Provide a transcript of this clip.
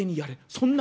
「そんな」。